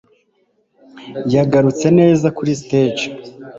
Yagarutse neza kuri stage.